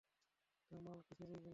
তা মাল কিসের এইগুলা?